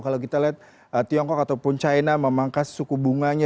kalau kita lihat tiongkok ataupun china memangkas suku bunganya